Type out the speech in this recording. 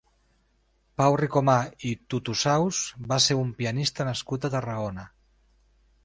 Pau Ricomà i Tutusaus va ser un pianista nascut a Tarragona.